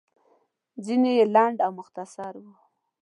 ځينې يې لنډ او مختصر وو.